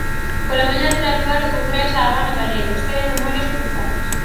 Pola mañá terá lugar o congreso A Habana galega: Historia e memorias cruzadas.